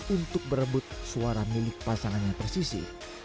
untuk berebut suara milik pasangan yang persisih